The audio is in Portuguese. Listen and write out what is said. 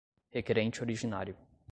requerente originário.